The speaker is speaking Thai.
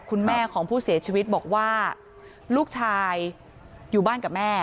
คุณแม่ของผู้เสียชีวิตบอกว่าลูกชายอยู่บ้านกับแม่